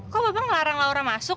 kok bapak ngelarang laura masuk